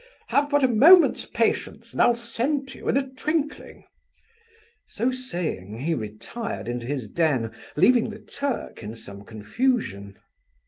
Have but a moment's patience, and I'll send to you in a twinkling,' So saying, he retired into his den, leaving the Turk in some confusion.